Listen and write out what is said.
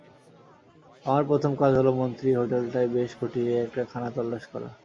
আমার প্রথম কাজ হল মন্ত্রীর হোটেলটায় বেশ খুঁটিয়ে একটা খানাতল্লাশ করা।